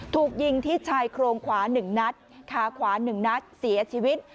ถูกยิงที่ชายโครงขวา๑นัดขาขวา๑นัดเสียชีวิต